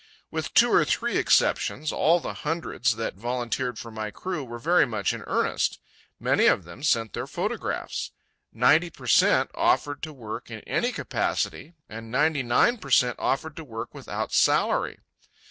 With two or three exceptions, all the hundreds that volunteered for my crew were very much in earnest. Many of them sent their photographs. Ninety per cent. offered to work in any capacity, and ninety nine per cent. offered to work without salary.